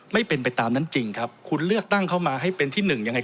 ไม่เป็นไปตามนั้นจริงครับคุณเลือกตั้งเข้ามาให้เป็นที่หนึ่งยังไง